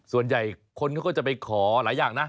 ส่วนใหญ่คนเขาก็จะไปขอหลายอย่างนะ